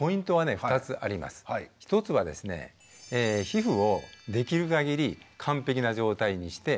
皮膚をできる限り完璧な状態にして。